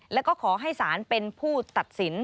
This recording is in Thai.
แล้วก็ขอให้ศาลเป็นผู้ตัดสิน